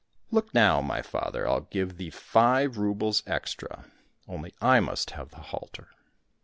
—" Look now, my father, I'll give thee five roubles extra, only I must have the halter."